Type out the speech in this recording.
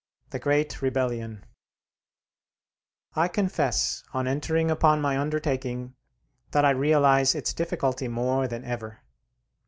THE GREAT REBELLION I confess, on entering upon my undertaking, that I realize its difficulty more than ever.